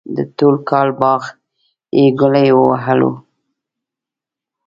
د ټول کال باغ یې گلی ووهلو.